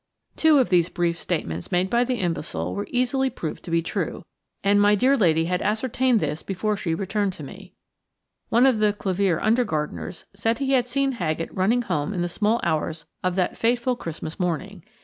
Two of these brief statements made by the imbecile were easily proved to be true, and my dear lady had ascertained this before she returned to me. One of the Clevere under gardeners said he had seen Haggett running home in the small hours of that fateful Christmas morning.